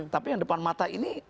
tapi yang depan mata ini